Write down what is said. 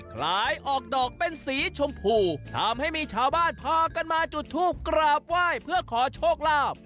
คล้ายออกดอกเป็นสีชมพูทำให้มีชาวบ้านพากันมาจุดทูปกราบไหว้เพื่อขอโชคลาภ